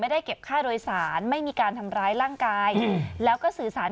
ได้เก็บค่าโดยสารไม่มีการทำร้ายร่างกายแล้วก็สื่อสาร